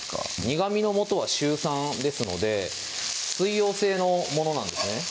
苦みのもとはシュウ酸ですので水溶性のものなんですね